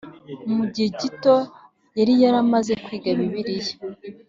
Mugihe gito yari yaramaze kwiga Bibiliya .